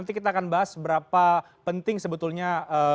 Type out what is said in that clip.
nanti kita akan bahas berapa penting sebetulnya